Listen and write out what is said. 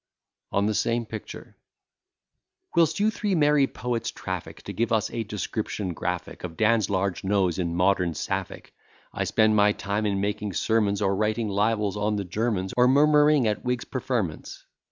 _ ON THE SAME PICTURE Whilst you three merry poets traffic To give us a description graphic Of Dan's large nose in modern sapphic; I spend my time in making sermons, Or writing libels on the Germans, Or murmuring at Whigs' preferments.